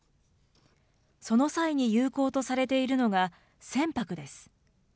その際に有効とされているのが、船舶です。